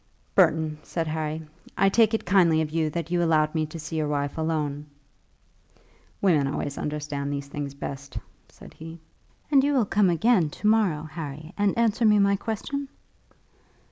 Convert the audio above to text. "Burton," said Harry, "I take it kindly of you that you allowed me to see your wife alone." "Women always understand these things best," said he. "And you will come again to morrow, Harry, and answer me my question?"